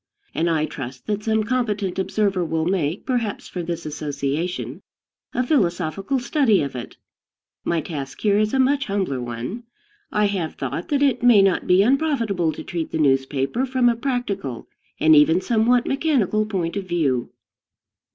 And I trust that some competent observer will make, perhaps for this association, a philosophical study of it. My task here is a much humbler one. I have thought that it may not be unprofitable to treat the newspaper from a practical and even somewhat mechanical point of view.